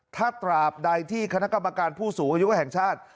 ถ้าตราบใดที่คณะกรรมการผู้สูงอายุแห่งชาติ